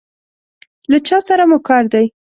له چا سره مو کار دی؟